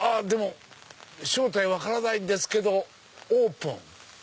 正体分からないんですけどオープン！